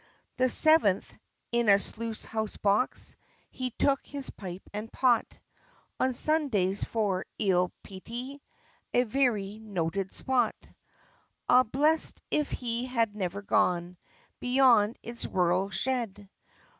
_ The seventh, in a sluice house box He took his pipe and pot; On Sundays, for eel piety, A very noted spot. Ah, blest if he had never gone Beyond its rural shed!